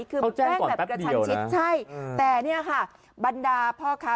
เขาแจ้งก่อนแป๊บเดียวนะใช่แต่เนี่ยค่ะบรรดาพ่อค้า